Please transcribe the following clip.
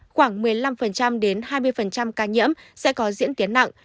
khoảng một mươi năm đến hai mươi ca nhiễm sẽ có diễn tiến nặng